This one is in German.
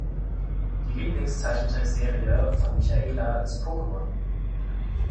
Die Lieblingszeichentrickserie von Michaela ist Pokémon.